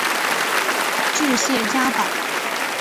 治谢家堡。